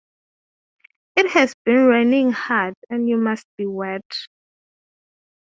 It has been raining hard, and you must be wet.